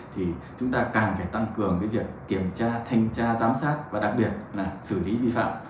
thì chúng ta càng phải tăng cường cái việc kiểm tra thanh tra giám sát và đặc biệt là xử lý vi phạm